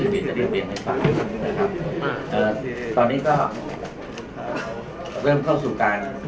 เปลี่ยนให้ฟังนะครับเอ่อตอนนี้ก็เริ่มเข้าสู่การ